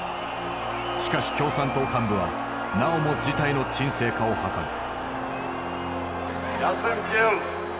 しかし共産党幹部はなおも事態の沈静化を図る。